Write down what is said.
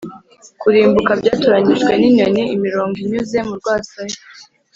kurimbuka, byatoranijwe ninyoni, imirongo inyuze mu rwasaya,